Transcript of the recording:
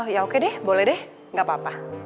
ya oke deh boleh deh gak apa apa